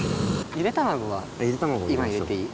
ゆで卵は今入れていい？